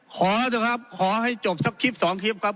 ขอเถอะครับขอให้จบสักคลิปสองคลิปครับ